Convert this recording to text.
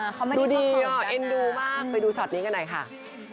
คอมเมดีเข้าของกันนะดูดีเอ็นดูมาก